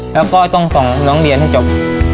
แล้วก็ต้องส่งน้องเรียนให้จบ